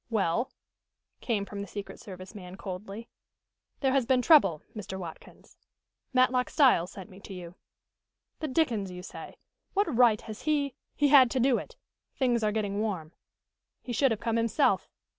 "Well?" came from the secret service man coldly. "There has been trouble, Mr. Watkins. Matlock Styles sent me to you." "The dickens you say. What right has he " "He had to do it. Things are getting warm." "He should have come himself."